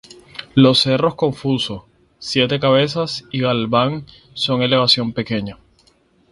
Los cerros Confuso, Siete Cabezas y Galván son elevaciones pequeñas.